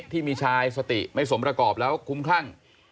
ที่มีชายสติไม่สมประกอบแล้วคุ้มคลั่ง